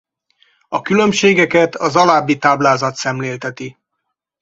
A különbségeket az alábbi táblázat szemlélteti.